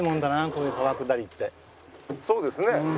そうですね。